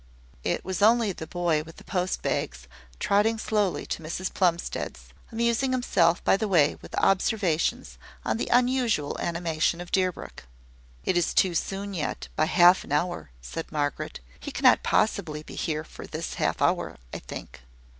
It was only the boy with the post bags, trotting slowly to Mrs Plumstead's, amusing himself by the way with observations on the unusual animation of Deerbrook. "It is too soon yet, by half an hour," said Margaret. "He cannot possibly be here for this half hour, I think.